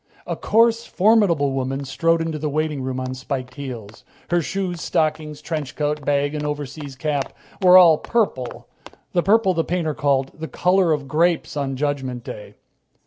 A coarse, formidable woman strode into the waiting room on spike heels. Her shoes, stockings, trench coat, bag and overseas cap were all purple, the purple the painter called "the color of grapes on Judgment Day."